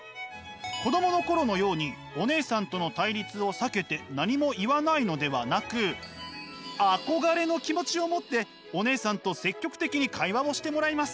子どもの頃のようにお姉さんとの対立を避けて何も言わないのではなく憧れの気持ちを持ってお姉さんと積極的に会話をしてもらいます。